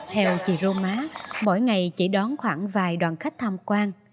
theo chị roma mỗi ngày chỉ đón khoảng vài đoàn khách tham quan